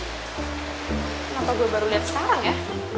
kenapa gue baru lihat sekarang ya